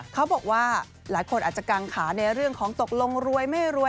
เขาบอกว่าหลายคนอาจจะกังขาในเรื่องของตกลงรวยไม่รวย